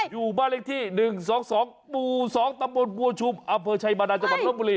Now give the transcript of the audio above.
อยู่บ้านเลขที่๑๒๒หมู่๒ตำบลบัวชุมอำเภอชัยบาดาจังหวัดลบบุรี